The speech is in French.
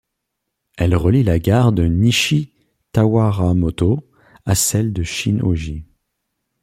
Elle relie la gare de Nishi-Tawaramoto à celle de Shin-Ōji.